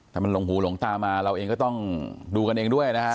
ถ้ามันหลงหูหลงตามาเราเองก็ต้องดูกันเองด้วยนะฮะ